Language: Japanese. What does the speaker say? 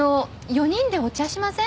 ４人でお茶しません？